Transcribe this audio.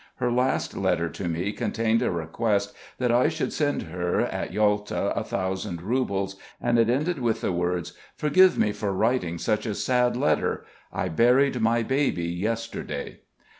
Her last letter to me contained a request that I should send her at Yalta a thousand roubles, and it ended with the words: "Forgive me for writing such a sad letter. I buried my baby yesterday."